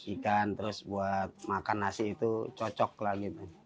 ikan terus buat makan nasi itu cocoklah gitu